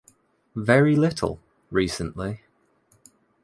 Very little, recently.